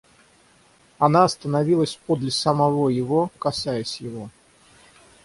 Она остановилась подле самого его, касаясь его.